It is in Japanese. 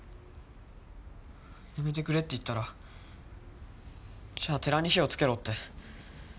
やめてくれって言ったらじゃあ寺に火をつけろって。